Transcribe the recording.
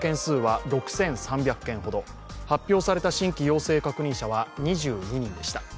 発表された新規陽性確認者は２２人でした。